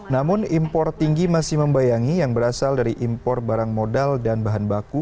namun impor tinggi masih membayangi yang berasal dari impor barang modal dan bahan baku